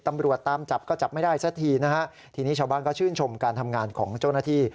ตำรวจตามจับก็จับไม่ได้สักทีนะฮะทีนี้ชาวบ้านก็ชื่นชมการทำงานของเจ้าหน้าที่